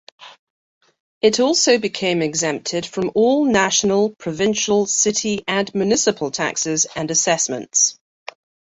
It also became exempted from all national, provincial, city and municipal taxes and assessments.